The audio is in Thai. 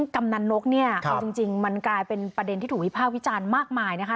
กำนันนกเนี่ยเอาจริงมันกลายเป็นประเด็นที่ถูกวิภาควิจารณ์มากมายนะคะ